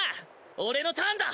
俺のターンだ！